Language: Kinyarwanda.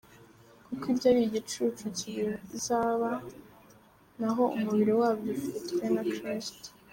kuko ibyo ari igicucu cy’ibizaba, naho umubiri wabyo ufitwe na Kristo